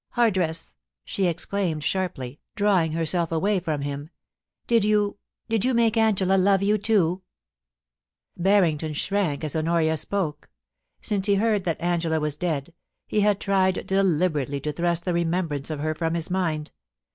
Hardress !* she exclaimed sharply, drawing herself away from him, * did you — did you make Angela love you too ? Barrington shrank as Honoria spoke. Since he heard that Angela was dead, he had tried deliberately to thrust the remembrance of her from his mind.